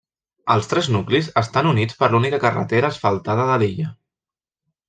Els tres nuclis estan units per l'única carretera asfaltada de l'illa.